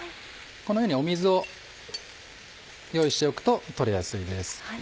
このように水を用意しておくと取りやすいです。